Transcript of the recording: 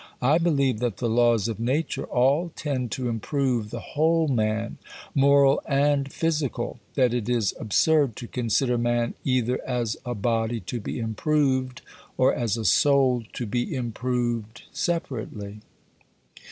I believe that the laws of nature all tend to improve the whole man, moral and physical, that it is absurd to consider man either as a body to be "improved," or as a soul to be "improved," separately.